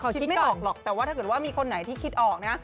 เขาคิดไม่ออกหรอกแต่ว่าถ้าเกิดว่ามีคนไหนที่คิดออกนะ